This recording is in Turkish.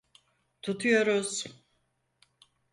Tutuyoruz.